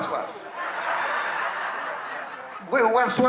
sehat lagi dengan anda